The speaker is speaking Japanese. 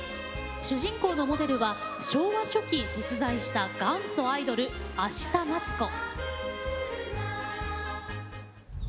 主人公のモデルは昭和初期、実在した元祖アイドル明日待子。